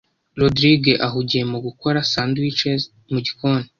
Rogride ahugiye mu gukora sandwiches mu gikoni.